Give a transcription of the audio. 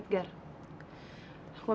terang terang terang